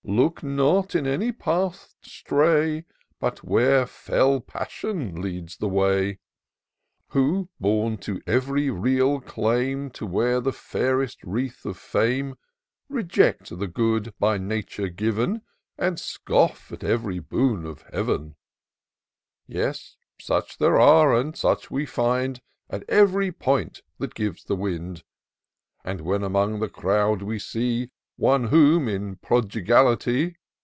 Look not in any path to stray But where fell passion leads the way ; Who, bom with ev'ry real claim To wear the fairest wreath of Fame, Reject the good by Nature given. And scoff at ev'ry boon of Heaven ! Yes ; such there are, and such we find At ev'ry point that gives the wind : But when, among the crowd, we see One whom, in prodigality.